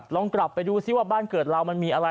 ลองกลับไปดูซิว่าบ้านเกิดเรามันมีอะไร